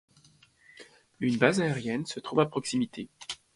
Une base aérienne se trouve à proximité.